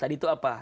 tadi itu apa